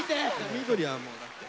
緑はもうだって。